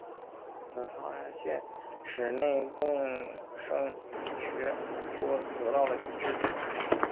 此发现使内共生学说得到了支持。